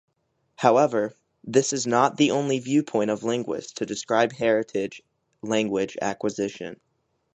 However, this is not the only viewpoint of linguists to describe heritage language acquisition.